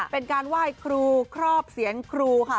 เป็นการไหว้ครูครอบเสียงครูค่ะ